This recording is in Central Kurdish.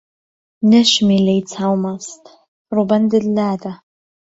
نهشمیلهی چاومهست رووبهندت لاده